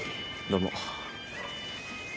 どうも。